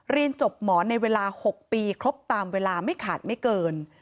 เรียนจบหมอในเวลา๖ปีครบตามเวลาไม่ขาดไม่เกิน